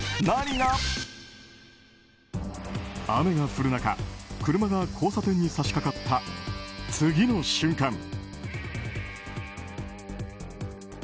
雨が降る中、車が交差点に差し掛かった次の瞬間。